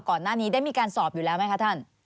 ก่อนหน้านี้ได้มีการสอบอยู่แล้วไหมคะท่าน